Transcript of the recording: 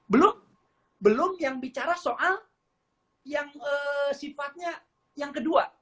belum belum yang bicara soal yang sifatnya yang kedua